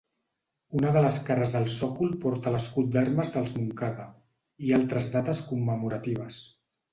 Una de les cares del sòcol porta l'escut d’armes dels Montcada, i altres dates commemoratives.